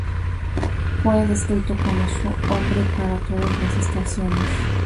Fue descrito como su "hombre para todas las estaciones".